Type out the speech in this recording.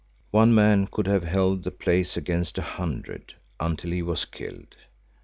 One man could have held the place against a hundred—until he was killed.